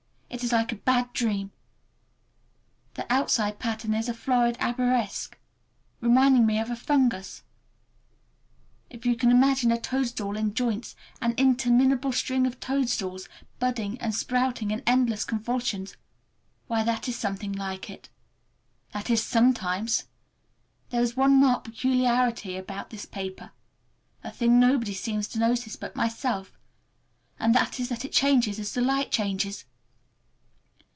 It is like a bad dream. The outside pattern is a florid arabesque, reminding one of a fungus. If you can imagine a toadstool in joints, an interminable string of toadstools, budding and sprouting in endless convolutions,—why, that is something like it. That is, sometimes! There is one marked peculiarity about this paper, a thing nobody seems to notice but myself, and that is that it changes as the light changes.